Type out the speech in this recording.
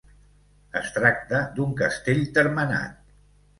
Es tracta d'un castell termenat.